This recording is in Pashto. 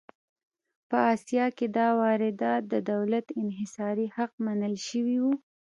په اسیا کې دا واردات د دولت انحصاري حق منل شوي وو.